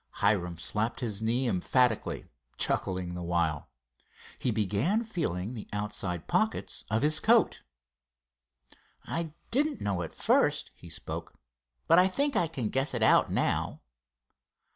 Hiram slapped his knee emphatically, chuckling the while. He began feeling in the outside pockets of his coat. "I didn't know at first," he spoke; "but I think I can guess it out now."